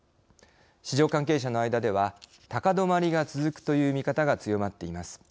市場関係者の間では高止まりが続くという見方が強まっています。